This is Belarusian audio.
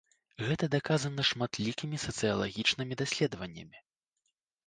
Гэта даказана шматлікімі сацыялагічнымі даследаваннямі.